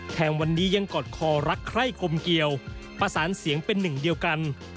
แถมวันนี้ยังกอดคอรักใคร่คมเกี่ยวประสานเสียงเป็นหนึ่งเดียวกัน